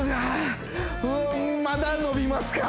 うーんまだ伸びますか